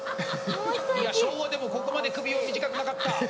昭和でもここまで首は短くなかった。